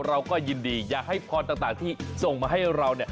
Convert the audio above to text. เราก็ยินดีอย่าให้พรต่างที่ส่งมาให้เราเนี่ย